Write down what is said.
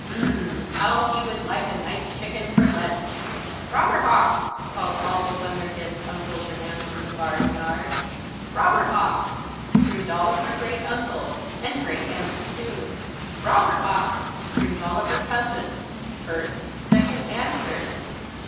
"Um!" How he would like a nice chicken for lunch! "Robber Hawk!" called all of Mother Hen's uncles and aunts in the barnyard. "Robber Hawk!" screamed all of her great uncles and great aunts too. "Robber Hawk!" screamed all of her cousins, first, second, and third.